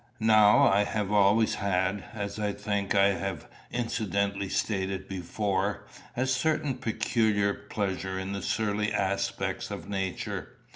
Now I have always had, as I think I have incidentally stated before, a certain peculiar pleasure in the surly aspects of nature.